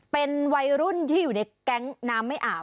เป็นวัยรุ่นที่อยู่ในแก๊งน้ำไม่อาบ